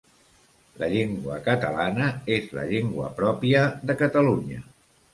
La llengua catalana és la llengua pròpia de Catalunya.